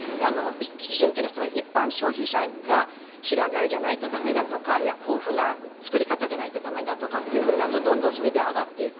基準というのは一般消費者が平飼いじゃないと駄目だとかこういう作り方じゃないと駄目だとなるとどんどんそれで上がっていく。